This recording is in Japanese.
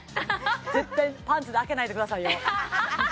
絶対パンツで開けないでくださいよ